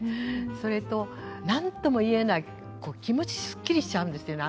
それと何とも言えない気持ちすっきりしちゃうんですよね